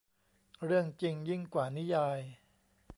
เรื่องจริงยิ่งกว่านิยาย